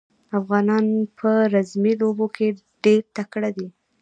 افغانان په رزمي لوبو کې ډېر تکړه دي.